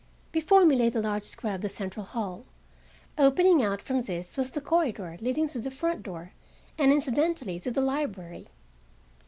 Before me lay the large square of the central hall. Opening out from this was the corridor leading to the front door, and incidentally to the library.